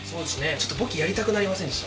ちょっと簿記やりたくなりませんでした？